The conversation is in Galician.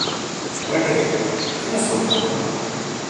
Raquel, que nos contaron?